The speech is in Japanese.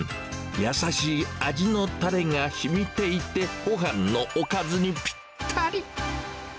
優しい味のタレがしみていて、ごはんのおかずにぴったり。